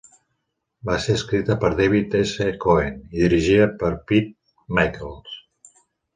Va ser escrita per David S. Cohen i dirigida per Pete Michels.